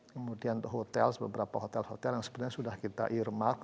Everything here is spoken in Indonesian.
kemudian untuk hotel beberapa hotel hotel yang sebenarnya sudah kita irmark